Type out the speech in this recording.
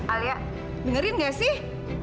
alia dengerin nggak sih